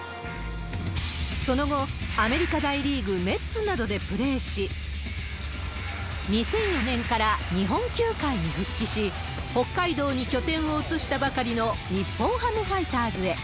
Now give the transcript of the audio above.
その後、アメリカ大リーグ・メッツなどでプレーし、２００４年から日本球界に復帰し、北海道に拠点を移したばかりの日本ハムファイターズへ。